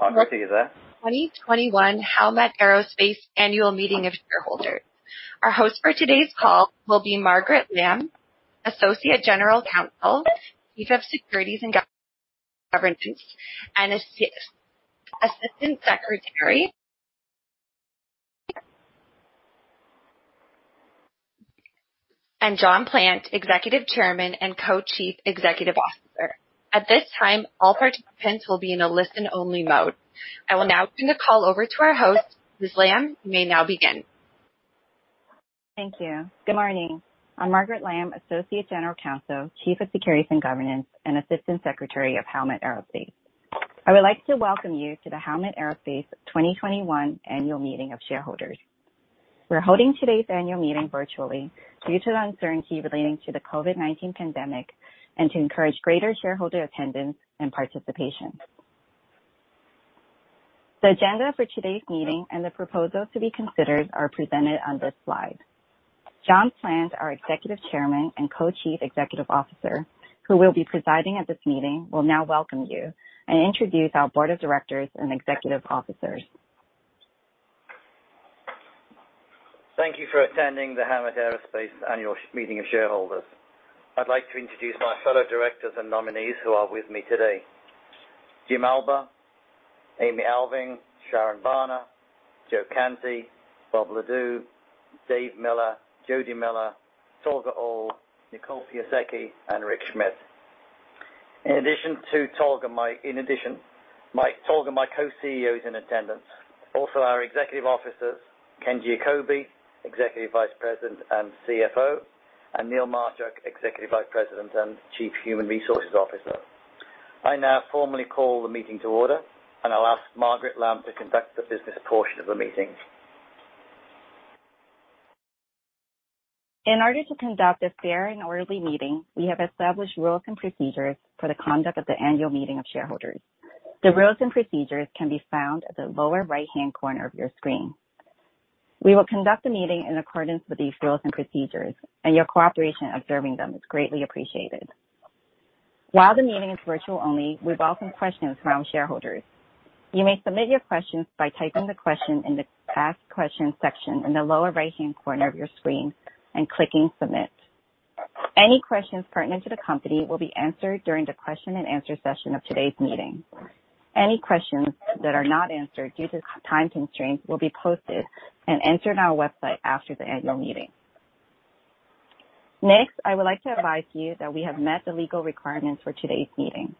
On the date of that 2021 Howmet Aerospace annual meeting of shareholders. Our host for today's call will be Margaret Lam, Associate General Counsel, Chief of Securities and Governance, and Assistant Secretary, and John Plant, Executive Chairman and Co-Chief Executive Officer. At this time, all participants will be in a listen-only mode. I will now turn the call over to our host. Ms. Lam, you may now begin. Thank you. Good morning. I'm Margaret Lam, Associate General Counsel, Chief of Securities and Governance, and Assistant Secretary of Howmet Aerospace. I would like to welcome you to the Howmet Aerospace 2021 Annual Meeting of Shareholders. We're holding today's annual meeting virtually due to the uncertainty relating to the COVID-19 pandemic and to encourage greater shareholder attendance and participation. The agenda for today's meeting and the proposals to be considered are presented on this slide. John Plant, our Executive Chairman and Co-Chief Executive Officer, who will be presiding at this meeting, will now welcome you and introduce our Board of Directors and Executive Officers. Thank you for attending the Howmet Aerospace Annual Meeting of Shareholders. I'd like to introduce my fellow directors and nominees who are with me today: Jim Albaugh, Amy Alving, Sharon Barner, Joe Cantie, Bob Leduc, Dave Miller, Jody Miller, Tolga Oal, Nicole Piasecki, and Rick Schmidt. In addition to Tolga, my co-CEO is in attendance. Also, our Executive Officers, Ken Giacobbe, Executive Vice President and CFO, and Neil Marchuk, Executive Vice President and Chief Human Resources Officer. I now formally call the meeting to order, and I'll ask Margaret Lam to conduct the business portion of the meeting. In order to conduct a fair and orderly meeting, we have established rules and procedures for the conduct of the annual meeting of shareholders. The rules and procedures can be found at the lower right-hand corner of your screen. We will conduct the meeting in accordance with these rules and procedures, and your cooperation observing them is greatly appreciated. While the meeting is virtual only, we welcome questions from shareholders. You may Submit your questions by typing the question in the Ask Questions section in the lower right-hand corner of your screen and clicking submit. Any questions pertinent to the company will be answered during the question-and-answer session of today's meeting. Any questions that are not answered due to time constraints will be posted and entered on our website after the annual meeting. Next, I would like to advise you that we have met the legal requirements for today's meeting.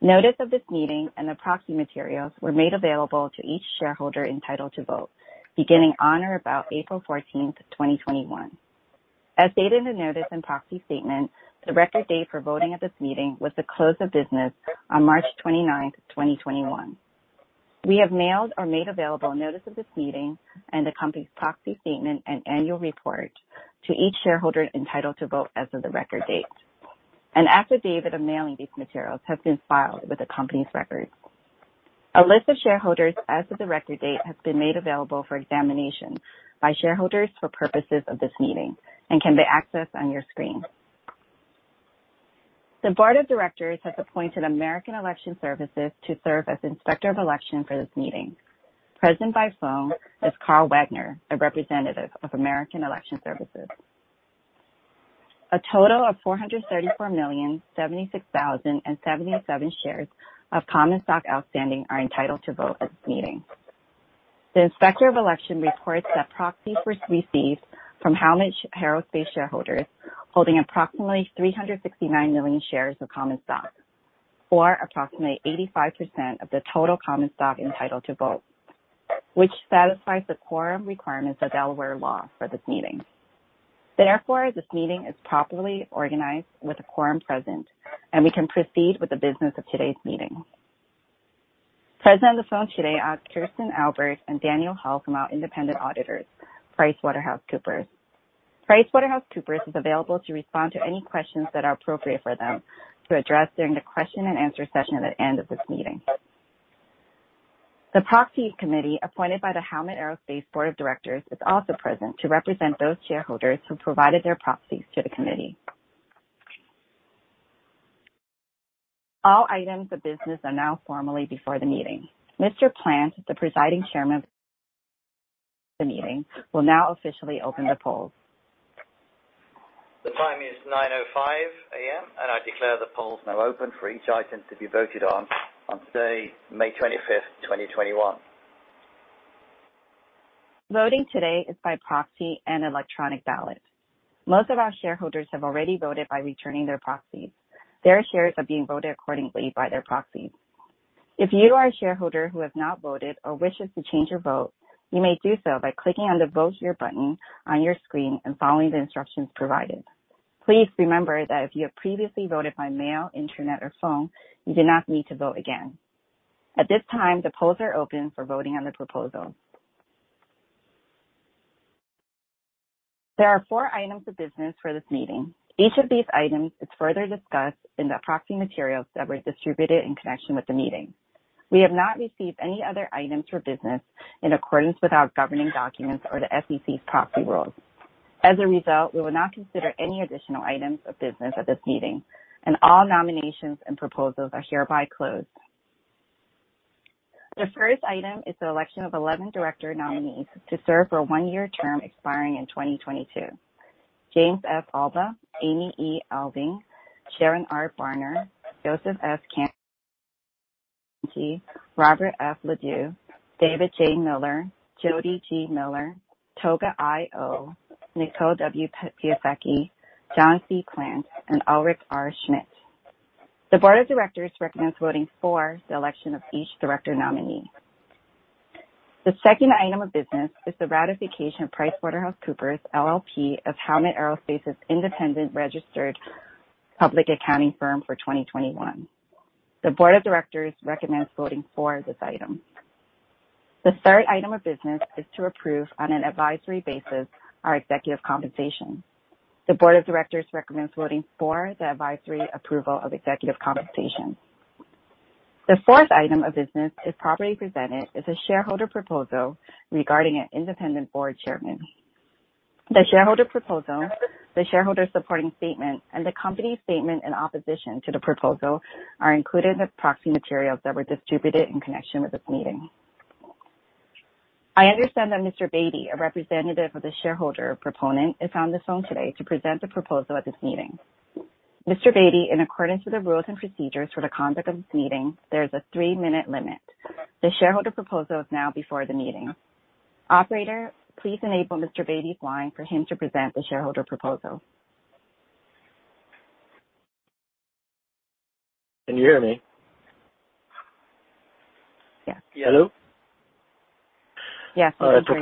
Notice of this meeting and the proxy materials were made available to each shareholder entitled to vote beginning on or about April 14, 2021. As stated in the notice and proxy statement, the record date for voting at this meeting was the close of business on March 29, 2021. We have mailed or made available a notice of this meeting and the company's proxy statement and annual report to each shareholder entitled to vote as of the record date. An affidavit of mailing these materials has been filed with the company's records. A list of shareholders as of the record date has been made available for examination by shareholders for purposes of this meeting and can be accessed on your screen. The Board of Directors has appointed American Election Services to serve as Inspector of Election for this meeting. Present by phone is Carl Wagner, a representative of American Election Services. A total of 434,076,077 shares of common stock outstanding are entitled to vote at this meeting. The Inspector of Election reports that proxies were received from Howmet Aerospace shareholders holding approximately 369 million shares of common stock, or approximately 85% of the total common stock entitled to vote, which satisfies the quorum requirements of Delaware law for this meeting. Therefore, this meeting is properly organized with a quorum present, and we can proceed with the business of today's meeting. Present on the phone today are Kirsten Albert and Daniel Hall from our independent auditors, PricewaterhouseCoopers. PricewaterhouseCoopers is available to respond to any questions that are appropriate for them to address during the question-and-answer session at the end of this meeting. The proxy committee appointed by the Howmet Aerospace Board of Directors is also present to represent those shareholders who provided their proxies to the committee. All items of business are now formally before the meeting. Mr. Plant, the presiding chairman of the meeting, will now officially open the polls. The time is 9:05 A.M., and I declare the polls now open for each item to be voted on today, May 25, 2021. Voting today is by proxy and electronic ballot. Most of our shareholders have already voted by returning their proxies. Their shares are being voted accordingly by their proxies. If you are a shareholder who has not voted or wishes to change your vote, you may do so by clicking on the Vote Here button on your screen and following the instructions provided. Please remember that if you have previously voted by mail, internet, or phone, you do not need to vote again. At this time, the polls are open for voting on the proposal. There are four items of business for this meeting. Each of these items is further discussed in the proxy materials that were distributed in connection with the meeting. We have not received any other items for business in accordance with our governing documents or the SEC's proxy rules. As a result, we will not consider any additional items of business at this meeting, and all nominations and proposals are hereby closed. The first item is the election of 11 director nominees to serve for a one-year term expiring in 2022: James F. Albaugh, Amy E. Alving, Sharon R. Barner, Joseph S. Cantie, Robert F. Leduc, David J. Miller, Jody G. Miller, Tolga I. Oal, Nicole W. Piasecki, John C. Plant, and Ulrich R. Schmidt. The Board of Directors recommends voting for the election of each director nominee. The second item of business is the ratification of PricewaterhouseCoopers LLP as Howmet Aerospace's independent registered public accounting firm for 2021. The Board of Directors recommends voting for this item. The third item of business is to approve on an advisory basis our executive compensation. The Board of Directors recommends voting for the advisory approval of executive compensation. The fourth item of business is properly presented as a shareholder proposal regarding an independent board chairman. The shareholder proposal, the shareholder supporting statement, and the company's statement in opposition to the proposal are included in the proxy materials that were distributed in connection with this meeting. I understand that Mr. Beatty, a representative of the shareholder proponent, is on the phone today to present the proposal at this meeting. Mr. Beatty, in accordance with the rules and procedures for the conduct of this meeting, there is a three-minute limit. The shareholder proposal is now before the meeting. Operator, please enable Mr. Beatty's line for him to present the shareholder proposal. Can you hear me? Yes. Hello? Yes, Mr. Beatty.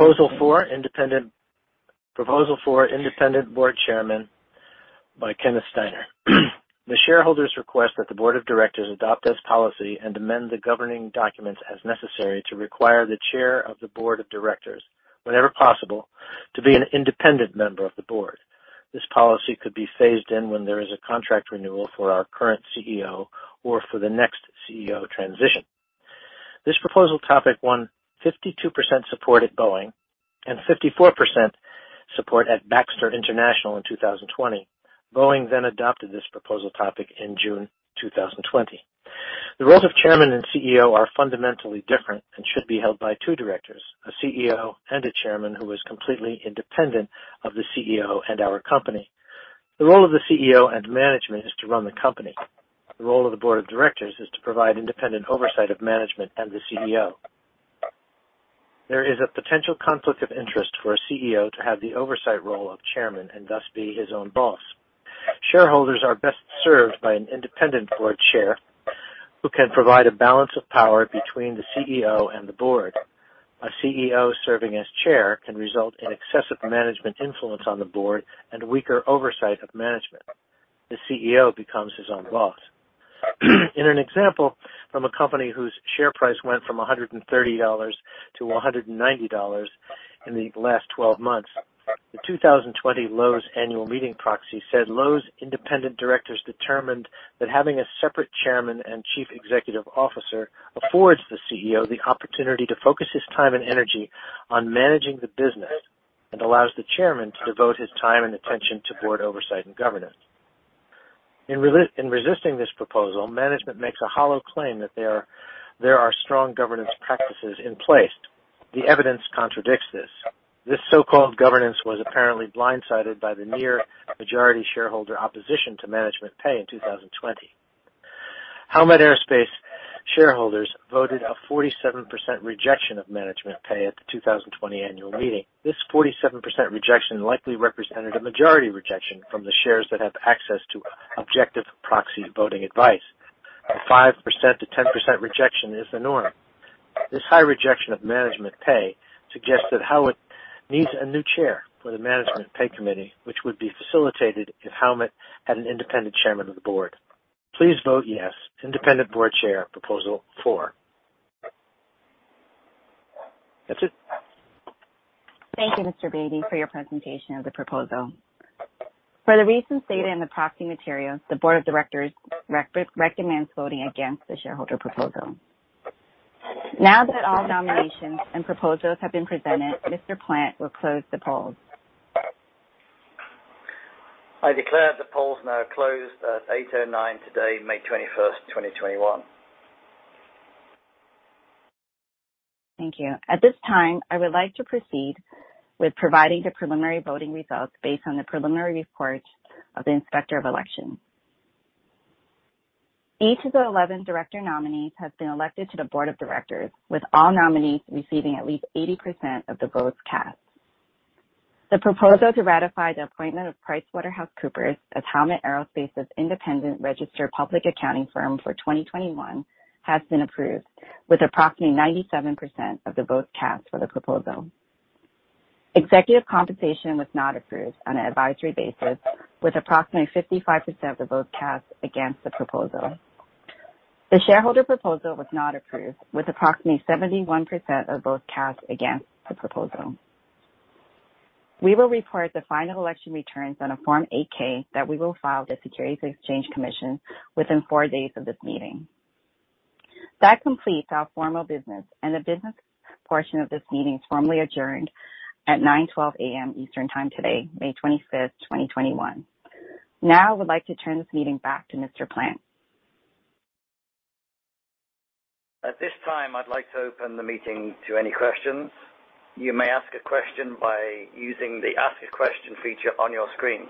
Proposal for independent board chairman by Kenneth Steiner. The shareholders request that the Board of Directors adopt this policy and amend the governing documents as necessary to require the chair of the Board of Directors, whenever possible, to be an independent member of the board. This policy could be phased in when there is a contract renewal for our current CEO or for the next CEO transition. This proposal topic won 52% support at Boeing and 54% support at Baxter International in 2020. Boeing then adopted this proposal topic in June 2020. The roles of chairman and CEO are fundamentally different and should be held by two directors: a CEO and a chairman who is completely independent of the CEO and our company. The role of the CEO and management is to run the company. The role of the Board of Directors is to provide independent oversight of management and the CEO. There is a potential conflict of interest for a CEO to have the oversight role of chairman and thus be his own boss. Shareholders are best served by an independent board chair who can provide a balance of power between the CEO and the board. A CEO serving as chair can result in excessive management influence on the board and weaker oversight of management. The CEO becomes his own boss. In an example from a company whose share price went from $130 to $190 in the last 12 months, the 2020 Lowe's annual meeting proxy said Lowe's independent directors determined that having a separate chairman and chief executive officer affords the CEO the opportunity to focus his time and energy on managing the business and allows the chairman to devote his time and attention to board oversight and governance. In resisting this proposal, management makes a hollow claim that there are strong governance practices in place. The evidence contradicts this. This so-called governance was apparently blindsided by the near-majority shareholder opposition to management pay in 2020. Howmet Aerospace shareholders voted a 47% rejection of management pay at the 2020 annual meeting. This 47% rejection likely represented a majority rejection from the shares that have access to objective proxy voting advice. A 5%-10% rejection is the norm. This high rejection of management pay suggests that Howmet needs a new chair for the Management Pay Committee, which would be facilitated if Howmet had an independent chairman of the board. Please vote yes, independent board chair Proposal 4. That's it. Thank you, Mr. Beatty, for your presentation of the proposal. For the reasons stated in the proxy materials, the Board of Directors recommends voting against the shareholder proposal. Now that all nominations and proposals have been presented, Mr. Plant will close the polls. I declare the polls now closed at 8:09 today, May 21, 2021. Thank you. At this time, I would like to proceed with providing the preliminary voting results based on the preliminary report of the Inspector of Election. Each of the 11 director nominees has been elected to the Board of Directors, with all nominees receiving at least 80% of the votes cast. The proposal to ratify the appointment of PricewaterhouseCoopers as Howmet Aerospace's independent registered public accounting firm for 2021 has been approved, with approximately 97% of the votes cast for the proposal. Executive compensation was not approved on an advisory basis, with approximately 55% of the votes cast against the proposal. The shareholder proposal was not approved, with approximately 71% of the votes cast against the proposal. We will report the final election returns on a Form 8-K that we will file with the Securities and Exchange Commission within four days of this meeting. That completes our formal business, and the business portion of this meeting is formally adjourned at 9:12 A.M. Eastern Time today, May 25, 2021. Now, I would like to turn this meeting back to Mr. Plant. At this time, I'd like to open the meeting to any questions. You may Ask a Question by using the Ask a Question feature on your screen.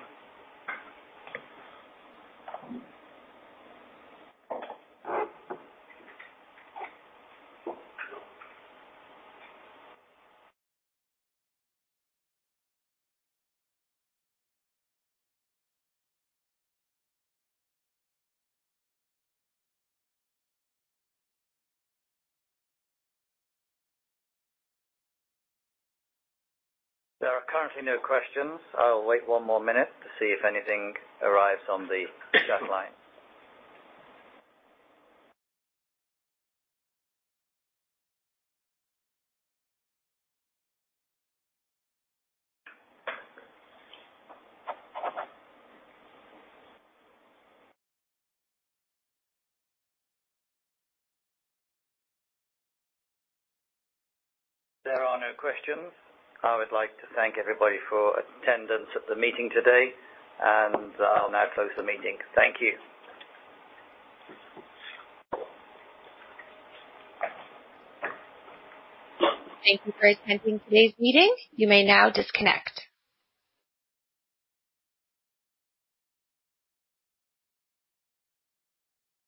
There are currently no questions. I'll wait one more minute to see if anything arrives on the chat line. There are no questions. I would like to thank everybody for attendance at the meeting today, and I'll now close the meeting. Thank you. Thank you for attending today's meeting. You may now disconnect.